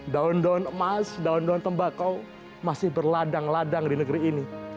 daun daun emas daun daun tembakau masih berladang ladang di negeri ini